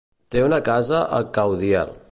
Té una casa a Caudiel.